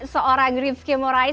seorang griff kimurae